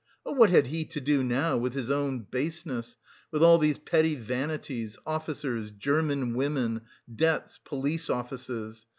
Oh, what had he to do now with his own baseness, with all these petty vanities, officers, German women, debts, police offices?